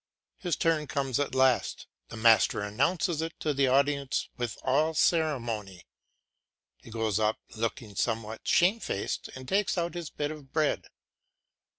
His turn comes at last; the master announces it to the audience with all ceremony; he goes up looking somewhat shamefaced and takes out his bit of bread.